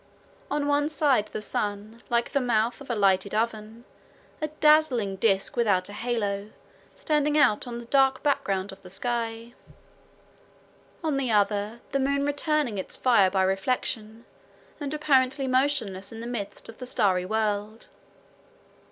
On one side the sun, like the mouth of a lighted oven, a dazzling disc without a halo, standing out on the dark background of the sky! On the other, the moon returning its fire by reflection, and apparently motionless in the midst of the starry world.